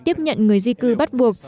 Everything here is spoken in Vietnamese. tiếp nhận người di cư bắt buộc